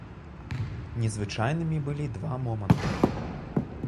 Незвычайнымі былі два моманты.